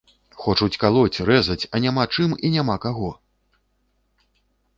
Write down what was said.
Хочуць калоць, рэзаць, а няма чым і няма каго.